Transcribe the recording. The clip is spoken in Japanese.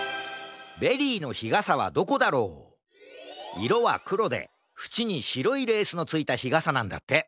いろはくろでふちにしろいレースのついた日がさなんだって。